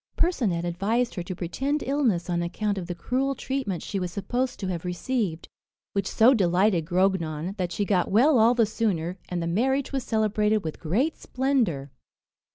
Percinet advised her to pretend illness on account of the cruel treatment she was supposed to have received; which so delighted Grognon, that she got well all the sooner, and the marriage was celebrated with great splendour.